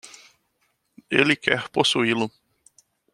Ele quer possuí-lo.